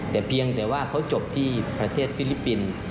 แต่เพียงแต่ว่าเขาจบที่ประเทศฟิลิปปินส์